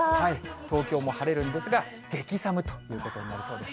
東京も晴れるんですが、激寒ということになりそうです。